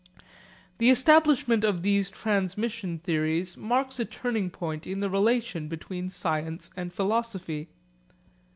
The establishment of these transmission theories marks a turning point in the relation between science and philosophy.